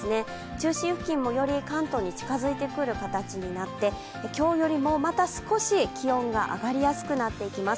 中心付近も、より関東に近づいてくる形になって今日よりもまた少し気温が上がりやすくなっていきます。